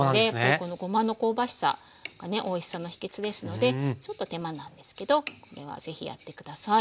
ここのごまの香ばしさがねおいしさの秘けつですのでちょっと手間なんですけどこれは是非やって下さい。